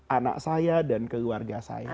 anak saya dan keluarga saya